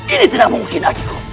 ini tidak mungkin adiko